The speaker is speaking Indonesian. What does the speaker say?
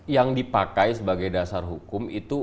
yang dipakai sebagai dasar hukum itu